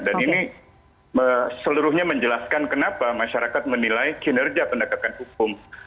dan ini seluruhnya menjelaskan kenapa masyarakat menilai kinerja pendekatan hukum